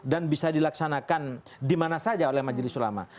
dan bisa dilaksanakan dimana saja oleh majelis ulama